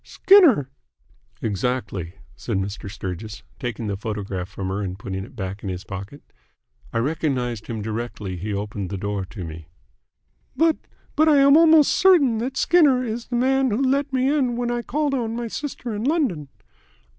"Skinner!" "Exactly," said Mr. Sturgis, taking the photograph from her and putting it back in his pocket. "I recognised him directly he opened the door to me." "But but I am almost certain that Skinner is the man who let me in when I called on my sister in London."